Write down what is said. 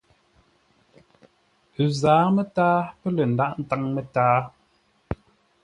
Ə zǎa mətǎa pə̂ lə̂ ndághʼ ńtáŋ mətǎa.